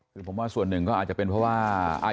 คือผมว่าส่วนหนึ่งก็อาจจะเป็นเพราะว่า